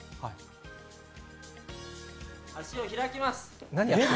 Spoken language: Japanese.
足を開きます。